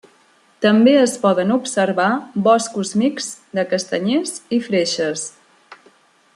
També es poden observar boscos mixts de castanyers i freixes.